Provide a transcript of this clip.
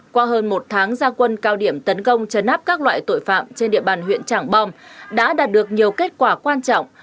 qua hơn một tháng gia quân cao điểm tấn công chấn áp các loại tội phạm trên địa bàn huyện trảng bom đã đạt được nhiều kết quả quan trọng